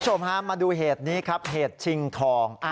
คุณผู้ชมฮะมาดูเหตุนี้ครับเหตุชิงทอง